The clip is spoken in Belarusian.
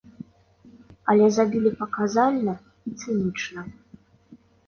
Але забілі паказальна і цынічна.